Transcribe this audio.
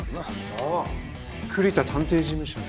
あぁ栗田探偵事務所の？